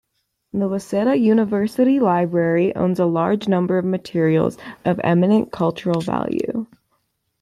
The Waseda University Library owns a large number of materials of eminent cultural value.